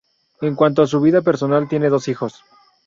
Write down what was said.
En cuanto a su vida personal, tiene dos hijos.